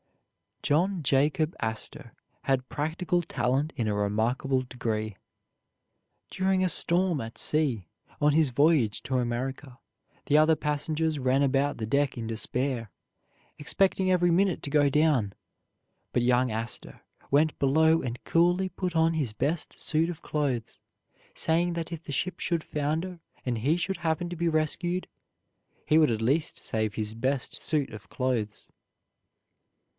John Jacob Astor had practical talent in a remarkable degree. During a storm at sea, on his voyage to America, the other passengers ran about the deck in despair, expecting every minute to go down; but young Astor went below and coolly put on his best suit of clothes, saying that if the ship should founder and he should happen to be rescued, he would at least save his best suit of clothes.